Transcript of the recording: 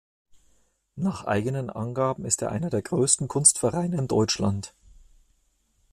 Nach eigenen Angaben ist er einer der größten Kunstvereine in Deutschland.